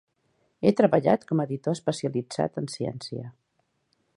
He treballat com a editor especialitzat en ciència.